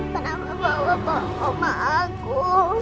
kenapa bawa bawa aku